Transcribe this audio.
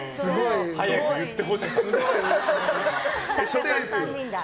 早く言ってほしかった。